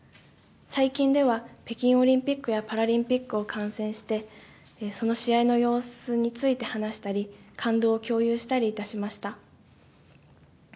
最近では、北京オリンピックやパラリンピックを観戦して、その試合の様子について話したり、感動を共有したりいたしました。